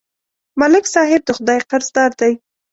ملک صاحب د خدای قرضدار دی.